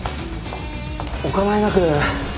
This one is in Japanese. お構いなく。